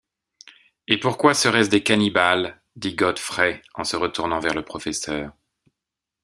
Et pourquoi seraient-ce des cannibales? dit Godfrey en se retournant vers le professeur.